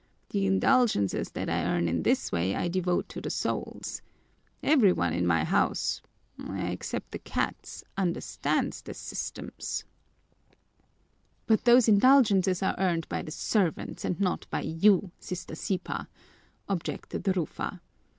The indulgences that I earn in this way I devote to the souls. Every one in my house, except the cats, understands this system." "But those indulgences are earned by the servants and not by you, Sister Sipa," objected Rufa.